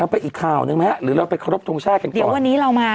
เอาไปอีกคราวหนึ่งไหมฮะหรือแล้วไปขอรบทรงชากันก่อนเดี๋ยววันนี้เรามา